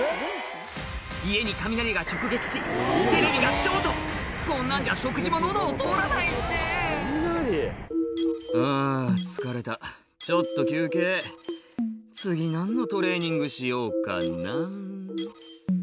家に雷が直撃しテレビがショートこんなんじゃ食事も喉を通らないって「あぁ疲れたちょっと休憩」「次何のトレーニングしようかな」